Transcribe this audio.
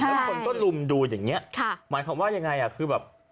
แล้วคนก็ลุมดูอย่างเงี้ค่ะหมายความว่ายังไงอ่ะคือแบบ